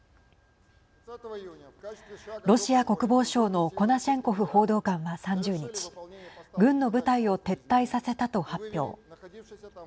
ロシア国防省のコナシェンコフ報道官は３０日軍の部隊を撤退させたと発表。